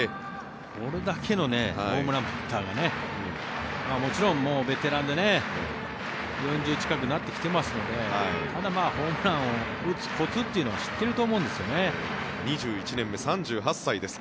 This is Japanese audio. これだけのホームランバッターがもちろん、もうベテランでね４０近くなってきていますのでただ、ホームランを打つコツというのは２１年目３８歳です。